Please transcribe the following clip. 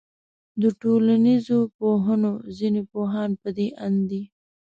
د ټولنيزو پوهنو ځيني پوهان پدې آند دي